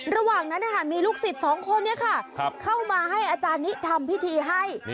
ระหว่างนั้นมีลูกศิษย์สองคนนี้ค่ะเข้ามาให้อาจารย์นี้ทำพิธีให้